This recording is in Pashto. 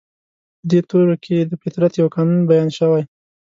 په دې تورو کې د فطرت يو قانون بيان شوی.